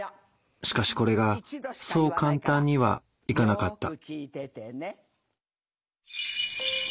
しかしこれがそう簡単にはいかなかった。